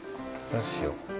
どうしよう。